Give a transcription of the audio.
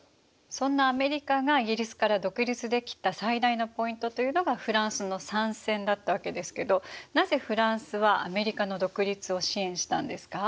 そんなアメリカがイギリスから独立できた最大のポイントというのがフランスの参戦だったわけですけどなぜフランスはアメリカの独立を支援したんですか？